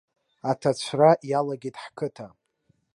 Аҭацәра иалагеит ҳқыҭа.